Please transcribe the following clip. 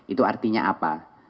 itu artinya apa